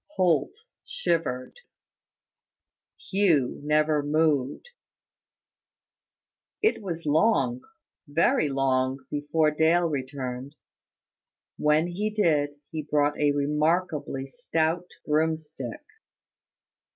Holt shivered. Hugh never moved. It was long, very long, before Dale returned. When he did, he brought a remarkably stout broomstick.